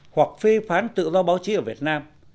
hoặc phê phán tự do báo chí ở việt nam